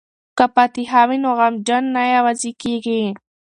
که فاتحه وي نو غمجن نه یوازې کیږي.